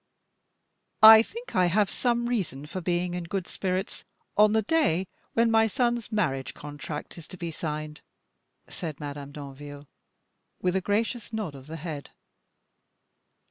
"I think I have some reason for being in good spirits on the day when my son's marriage contract is to be signed," said Madame Danville, with a gracious nod of the head.